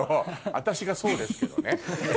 私がそうですけどね。